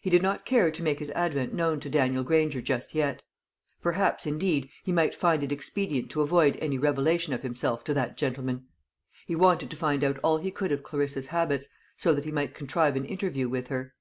He did not care to make his advent known to Daniel Granger just yet; perhaps, indeed, he might find it expedient to avoid any revelation of himself to that gentleman. He wanted to find out all he could of Clarissa's habits, so that he might contrive an interview with her.